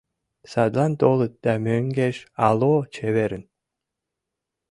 Садлан толыт да мӧҥгеш — алло, чеверын!